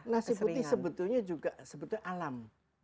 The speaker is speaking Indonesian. nasi putih sebetulnya juga sebetulnya alam